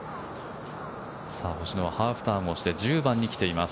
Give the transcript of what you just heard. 星野はハーフターンをして１０番に来ています。